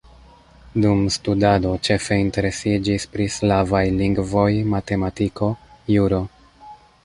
Dum studado ĉefe interesiĝis pri slavaj lingvoj, matematiko, juro.